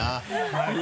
はい。